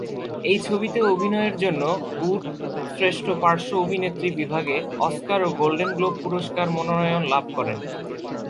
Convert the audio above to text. এই ছবিতে অভিনয়ের জন্য উড শ্রেষ্ঠ পার্শ্ব অভিনেত্রী বিভাগে অস্কার ও গোল্ডেন গ্লোব পুরস্কার মনোনয়ন লাভ করেন।